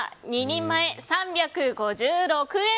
２人前３５６円。